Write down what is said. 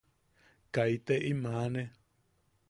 ¡Kaite im aane!